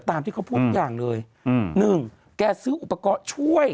ตามที่เขาพูดทุกอย่างเลยอืมหนึ่งแกซื้ออุปกรณ์ช่วย